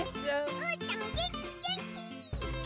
うーたんげんきげんき！